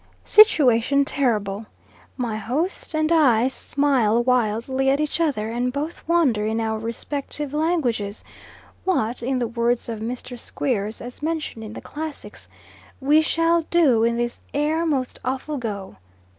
Situation terrible! My host and I smile wildly at each other, and both wonder in our respective languages what, in the words of Mr. Squeers as mentioned in the classics we "shall do in this 'ere most awful go."